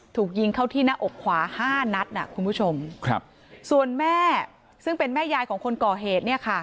ถูกยิงเข้าที่หน้าอกขวา๕นัทส่วนแม่ซึ่งเป็นแม่ยายของคนก่อเหตุ